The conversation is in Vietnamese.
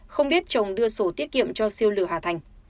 không biết chồng đưa sổ tiết kiệm cho siêu lừa hà thành